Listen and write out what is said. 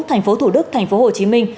thành phố thủ đức thành phố hồ chí minh